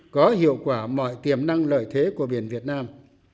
có hiệu quả mọi tiềm năng lợi thế của biển việt nam